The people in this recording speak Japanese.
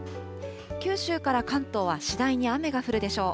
九州から関東は次第に雨が降るでしょう。